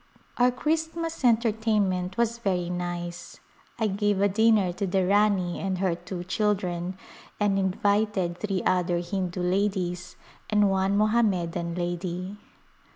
Our Christmas entertainment was very nice. I gave a dinner to the Rani and her two children and invited three other Hindu ladies and one Mohammedan lady.